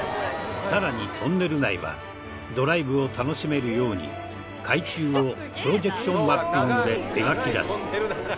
さらにトンネル内はドライブを楽しめるように海中をプロジェクションマッピングで描き出す。